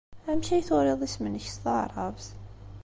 Amek ay turiḍ isem-nnek s taɛṛabt?